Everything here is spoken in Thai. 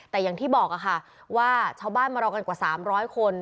แต่อย่างที่บอกค่ะว่าชาวบ้านมารอกันกว่า๓๐๐คน